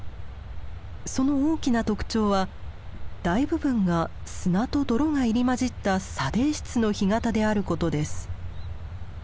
その大きな特徴は大部分が砂と泥が入り交じった「砂泥質」の干潟であることです。